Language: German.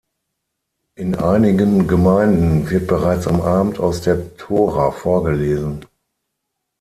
In einigen Gemeinden wird bereits am Abend aus der Tora vorgelesen.